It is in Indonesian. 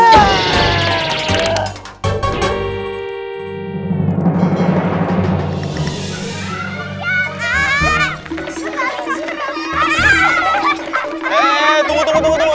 hei tunggu tunggu tunggu